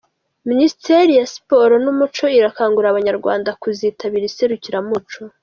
Minisiteri ya siporo n’umuco irakangurira Abanyarwanda kuzitabira iserukiramuco